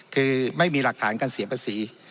คือไม่มีรักฐานการเสียปศีร์